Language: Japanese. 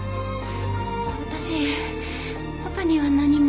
私パパには何も。